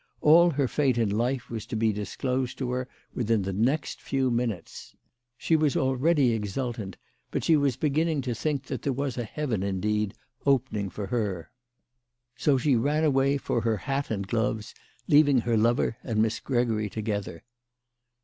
All her fate in life was to be dis closed to her within the next few minutes. She was already exultant, but she was beginning to think that 186 THE LADY OF LATJNAY. there was a heaven, indeed, opening for her. So she ran away for her hat and gloves, leaving her lover and Miss Gregory together.